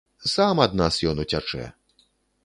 Сам ад нас ён уцячэ.